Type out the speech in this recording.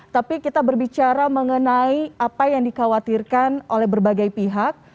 tapi kita berbicara mengenai apa yang dikhawatirkan oleh berbagai pihak